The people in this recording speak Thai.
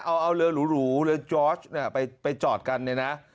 เอาเอาเรือหรูหรูเรือจอร์จเนี่ยไปไปจอดกันเนี่ยนะ